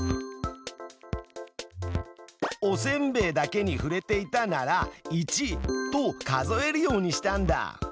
おせんべいだけにふれていたなら１と数えるようにしたんだ。